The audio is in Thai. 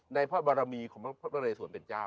ในพระบรมีของพระเมริสวรรค์เป็นเจ้า